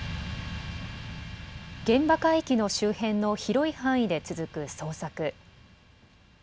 現場海域の周辺の広い範囲で続く捜索。